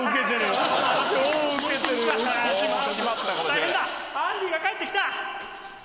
大変だアンディが帰ってきた！